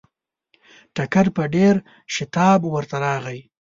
ټکر په ډېر شتاب ورته راغی.